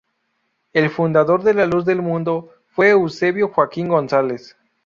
El fundador de La Luz del Mundo fue Eusebio Joaquín González.